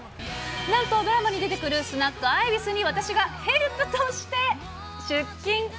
なんとドラマに出てくるスナックアイビスに、私がヘルプとして出勤。